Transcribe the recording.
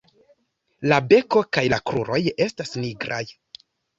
La beko kaj la kruroj estas nigraj.